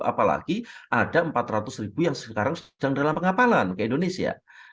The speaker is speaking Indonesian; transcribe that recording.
apalagi ada empat ratus ribu yang sekarang sedang dalam pengapalan ke indonesia